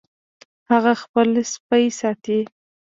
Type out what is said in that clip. هغه خپل سپی ساتي